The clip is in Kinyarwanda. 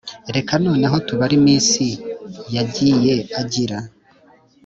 reka noneho tubare iminsi yagiye agira